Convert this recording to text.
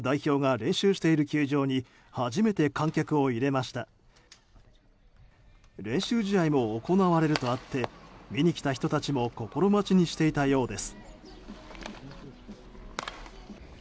練習試合も行われるとあって見に来た人たちも心待ちにしていたようです。